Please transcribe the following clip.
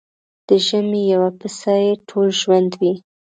د ژمي يو پسه يې ټول ژوند وي.